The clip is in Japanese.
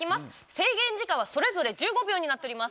制限時間はそれぞれ１５秒になっております。